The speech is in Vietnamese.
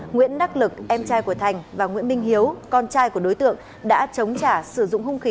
nguyễn đắc lực em trai của thành và nguyễn minh hiếu con trai của đối tượng đã chống trả sử dụng hung khí